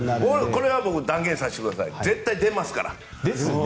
これは、僕断言させてください絶対出ますよ。